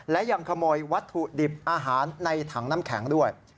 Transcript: และยังขโมยวัตถุดิบอาหารในถังน้ำแข็งด้วย